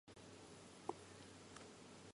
Buuba jippi dow hooseere bee puccu.